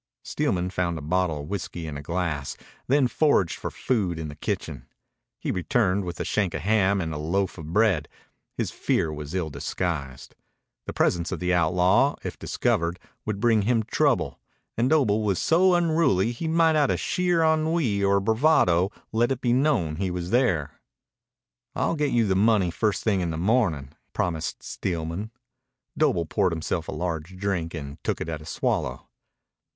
Steelman found a bottle of whiskey and a glass, then foraged for food in the kitchen. He returned with the shank of a ham and a loaf of bread. His fear was ill disguised. The presence of the outlaw, if discovered, would bring him trouble; and Doble was so unruly he might out of sheer ennui or bravado let it be known he was there. "I'll get you the money first thing in the mornin'," promised Steelman. Doble poured himself a large drink and took it at a swallow.